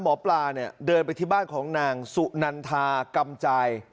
หมอปลาเนี่ยเดินไปที่บ้านของนางสุนันทากำจาย